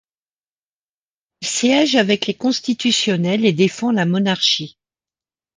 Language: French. Il siège avec les constitutionnels et défend la Monarchie.